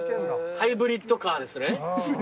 ハイブリッドカーですね。